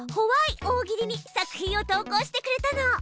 大喜利」に作品を投こうしてくれたの。